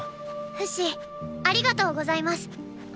フシありがとうございます！